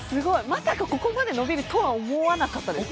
まさかここまで伸びるとは思わなかったです。